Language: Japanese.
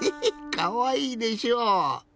かわいいでしょ。